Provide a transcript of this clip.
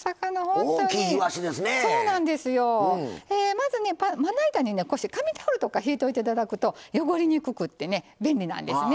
まずまな板にこうして紙タオルとか敷いておいて頂くと汚れにくくて便利なんですね。